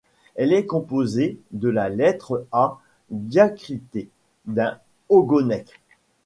Elle est composée de la lettre A diacritée d’un ogonek.